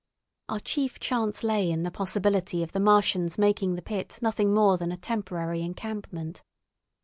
Our chief chance lay in the possibility of the Martians making the pit nothing more than a temporary encampment.